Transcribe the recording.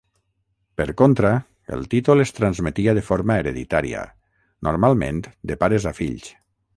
Per contra, el títol es transmetia de forma hereditària, normalment de pares a fills.